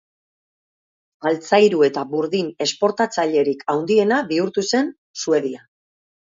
Altzairu eta burdin esportatzailerik handiena bihurtu zen Suedia.